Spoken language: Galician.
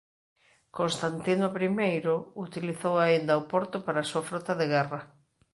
Constantino I utilizou aínda o porto para a súa frota de guerra.